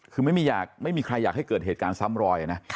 คือไม่มีใครอยากให้เกิดเหตุการณ์ซ้ำรอยนะ